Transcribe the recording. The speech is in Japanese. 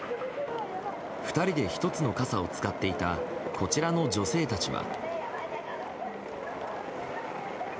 ２人で１つの傘を使っていたこちらの女性たちは。